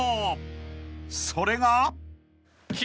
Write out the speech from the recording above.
［それが］